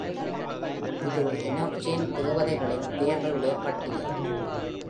இது Enochian தேவதைகளின் பெயர்களுடைய பட்டியல்.